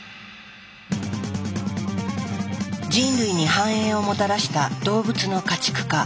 人類に繁栄をもたらした動物の家畜化。